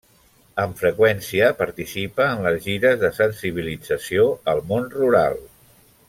Amb freqüència participa en les gires de sensibilització al món rural.